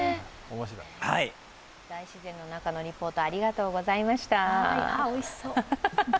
大自然の中のリポートありがとうございました。